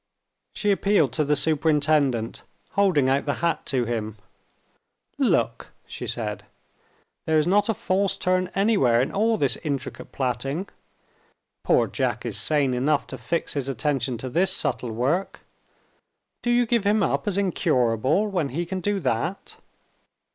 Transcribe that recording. She appealed to the superintendent, holding out the hat to him. "Look," she said. "There is not a false turn anywhere in all this intricate plaiting. Poor Jack is sane enough to fix his attention to this subtle work. Do you give him up as incurable, when he can do that?"